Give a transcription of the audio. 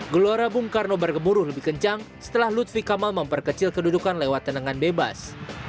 gelora bung karno bergemuruh lebih kencang setelah lutfi kamal memperkecil kedudukan lewat tenangan bebas